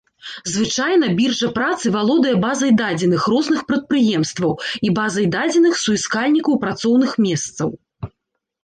Звычайна біржа працы валодае базай дадзеных розных прадпрыемстваў і базай дадзеных суіскальнікаў працоўных месцаў.